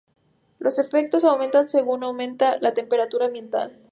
Los efectos aumentan según aumenta la temperatura ambiental.